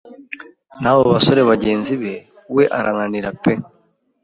nabo basore bagenzi be, we arananira pe!